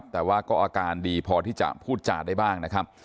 แต่ว่าก็อาการดีพอที่จะพูดจาได้บ้างนะครับ